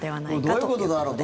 これ、どういうことだろう